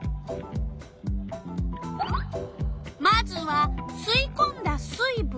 まずは「すいこんだ水ぶん」？